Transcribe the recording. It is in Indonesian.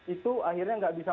itu akhirnya tidak bisa